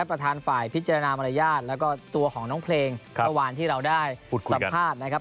ประธานฝ่ายพิจารณามารยาทแล้วก็ตัวของน้องเพลงเมื่อวานที่เราได้สัมภาษณ์นะครับ